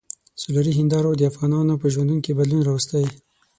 سولري هندارو د افغانانو په ژوند کې بدلون راوستی.